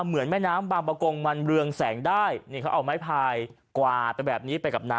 เหมือนแม่น้ำบางประกงมันเรืองแสงได้นี่เขาเอาไม้พายกวาดไปแบบนี้ไปกับน้ำ